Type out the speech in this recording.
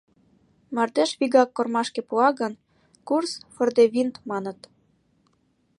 Мардеж вигак кормашке пуа гын, курс фордевинд маныт.